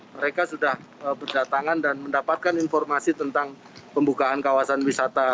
mereka sudah berdatangan dan mendapatkan informasi tentang pembukaan kawasan wisata